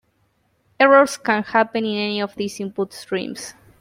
Errors can happen in any of these input streams.